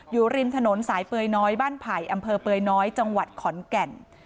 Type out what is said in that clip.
อยู่ริมถนนสายเปยน้อยบ้านไผ่อำเภอเปยน้อยจังหวัดขอนแก่น